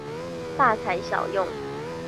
大材小用